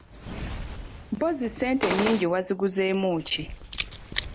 Mpozzi ssente ennyingi waziguzeemu ki?